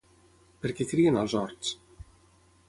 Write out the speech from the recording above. Per què crien als horts?